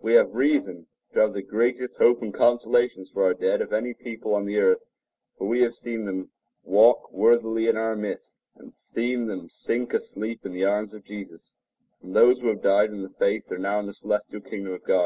We have reason to have the greatest hope and consolations for our dead of any people on the earth; for we have seen them walk worthily in our midst, and seen them sink asleep in the arms of Jesus; and those who have died in the faith are now in the celestial kingdom of God.